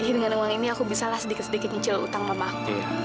dengan uang ini aku bisa lah sedikit sedikit ngincil utang mamaku